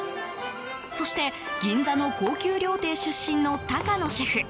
そして銀座の高級料亭出身の高野シェフ。